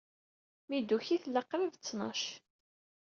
Mi d-tuki, tella qrib d ttnac.